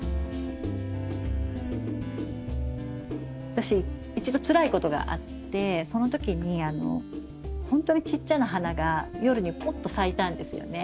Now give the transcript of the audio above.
私一度つらいことがあってその時にほんとにちっちゃな花が夜にポッと咲いたんですよね。